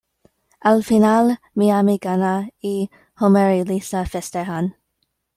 Al final, Miami gana, y Homer y Lisa festejan.